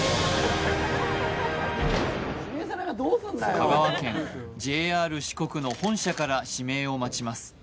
香川県、ＪＲ四国の本社から指名を待ちます。